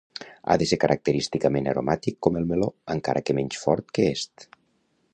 Ha de ser característicament aromàtic com el meló, encara que menys fort que est.